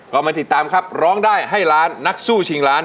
ก็มาติดตามครับร้องได้ให้ล้านนักสู้ชิงล้าน